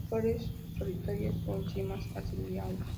Flores solitarias o en cimas axilares.